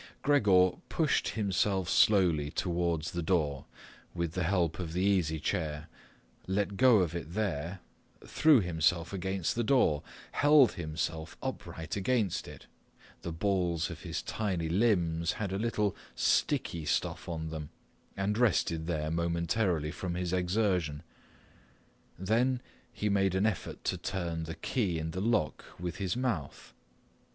Gregor pushed himself slowly towards the door, with the help of the easy chair, let go of it there, threw himself against the door, held himself upright against it—the balls of his tiny limbs had a little sticky stuff on them—and rested there momentarily from his exertion. Then he made an effort to turn the key in the lock with his mouth.